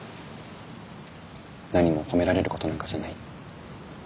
何も褒められることなんかじゃない。